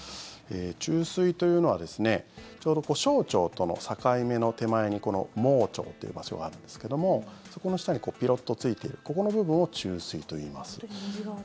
虫垂というのはちょうど小腸との境目の手前に盲腸っていう場所があるんですけどもそこの下にピロッとついているここの部分を虫垂といいます。